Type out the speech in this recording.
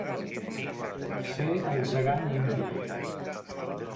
Fer el gegant indi.